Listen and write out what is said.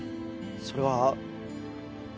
それは。